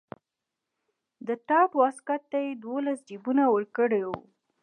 د ټاټ واسکټ ته یې دولس جیبونه ورکړي وو.